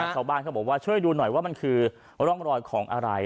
ชาวบ้านเขาบอกว่าช่วยดูหน่อยว่ามันคือร่องรอยของอะไร